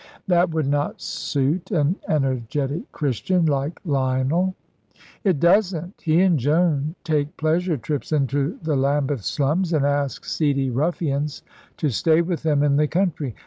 "That would not suit an energetic Christian like Lionel." "It doesn't. He and Joan take pleasure trips into the Lambeth slums and ask seedy ruffians to stay with them in the country.